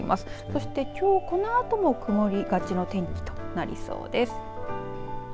そしてきょうこのあとも曇りがちの天気となりそうです。